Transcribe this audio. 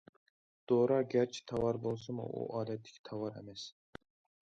دورا گەرچە تاۋار بولسىمۇ، ئۇ ئادەتتىكى تاۋار ئەمەس.